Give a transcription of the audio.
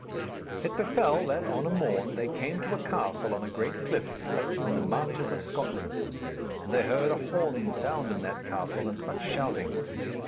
It befell that, on a morn, they came to a castle on a great cliff that was in the marches of Scotland; and they heard a horn sound in that castle and much shouting.